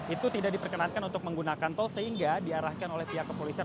itu tidak diperkenankan untuk menggunakan tol sehingga diarahkan oleh pihak kepolisian